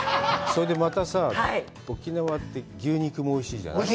それで、またさぁ、沖縄って牛肉もおいしいじゃない？